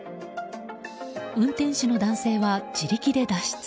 運転手の男性は自力で脱出。